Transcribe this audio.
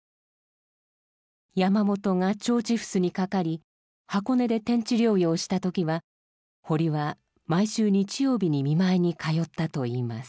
山本が腸チフスにかかり箱根で転地療養した時は堀は毎週日曜日に見舞いに通ったといいます。